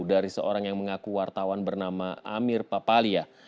dari seorang yang mengaku wartawan bernama amir papalia